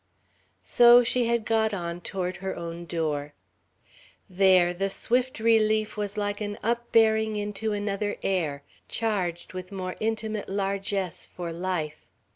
So she had got on toward her own door. There the swift relief was like an upbearing into another air, charged with more intimate largess for life.